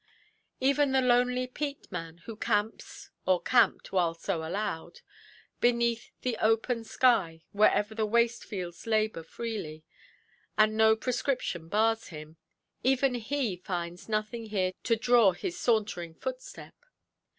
Even the lonely peatman, who camps (or camped, while so allowed) beneath the open sky, wherever the waste yields labour freely, and no prescription bars him—even he finds nothing here to draw his sauntering footstep.